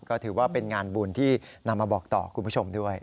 ก็ถือว่าเป็นงานบุญที่นำมาบอกต่อคุณผู้ชมด้วย